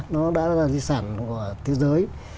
nó đã là di sản của thế giới